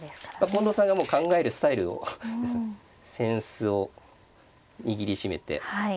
近藤さんがもう考えるスタイルを扇子を握りしめて。